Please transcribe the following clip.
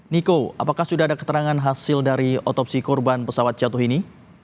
niko apakah sudah ada keterangan hasil dari otopsi korban pesawat jatuh ini